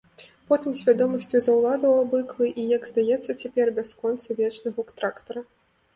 Потым свядомасцю заўладаў абыклы і, як здавалася цяпер, бясконцы, вечны гук трактара.